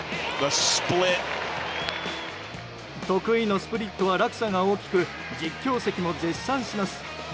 得意のスプリットは落差が大きく実況席も絶賛します。